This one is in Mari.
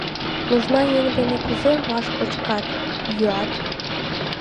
Нужна еҥ дене кузе ваш кочкат, йӱат?